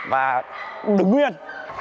và đứng nguyên